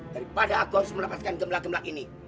daripada aku harus melepaskan gemlak gemblak ini